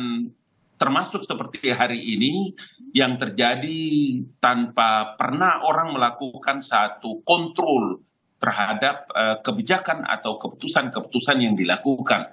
dan termasuk seperti hari ini yang terjadi tanpa pernah orang melakukan satu kontrol terhadap kebijakan atau keputusan keputusan yang dilakukan